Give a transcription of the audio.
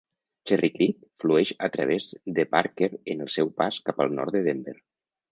Cherry Creek flueix a través de Parker en el seu pas cap al nord de Denver.